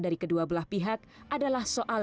dari kedua belah pihak adalah soal